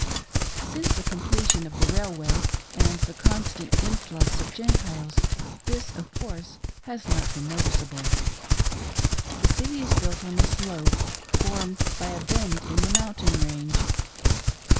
Since the completion of the railway and the consequent influx of Gentiles, this, of course, has not been noticeable. 248 PROPHET ! WHAT OF THE FUNDS ? The city is built on a sldpe formed by a bend in the mountain range.